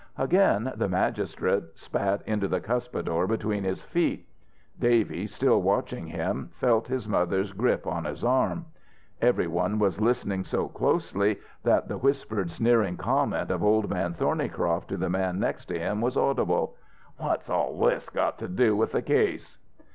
Again the magistrate spat into the cuspidor between his feet. Davy, still watching him, felt his mother's grip on his arm. Everyone was listening so closely that the whispered sneering comment of Old Man Thornycroft to the man next to him was audible, "What's all this got to do with the case?"